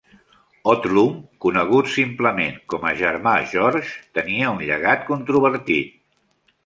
Odlum, conegut simplement com a "germà George", tenia un llegat controvertit.